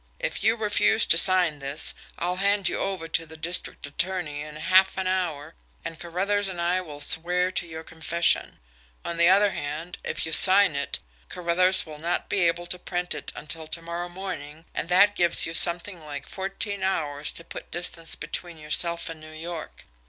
If you refuse to sign this, I'll hand you over to the district attorney in half an hour, and Carruthers and I will swear to your confession; on the other hand, if you sign it, Carruthers will not be able to print it until to morrow morning, and that gives you something like fourteen hours to put distance between yourself and New York.